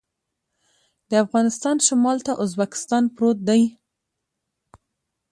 د افغانستان شمال ته ازبکستان پروت دی